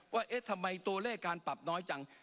ว่าเอ๊ะทำไมตัวเลขการปรับน้อยจัง